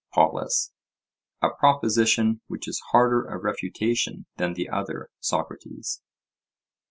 POLUS: A proposition which is harder of refutation than the other, Socrates.